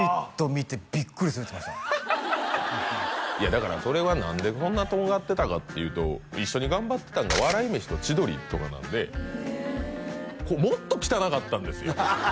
見てビックリするって言ってましたいやだからそれは何でそんなとんがってたかっていうと一緒に頑張ってたんが笑い飯と千鳥とかなんでもっと汚かったんですよ